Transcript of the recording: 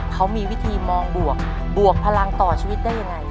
เขามีวิธีมองบวกบวกพลังต่อชีวิตได้ยังไง